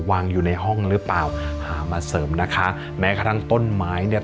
วางอยู่ในห้องหรือเปล่าหามาเสริมนะคะแม้กระทั่งต้นไม้เนี่ย